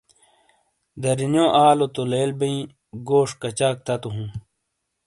دَرینیو آلو تو لیل بئیں گوش کَچاک تَتو ہُوں۔